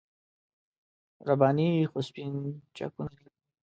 رباني خو سپین چکونه راکول.